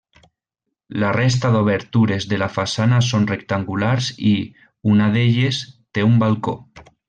La resta d'obertures de la façana són rectangular i, una d'elles, té un balcó.